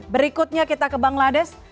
berikutnya kita ke bangladesh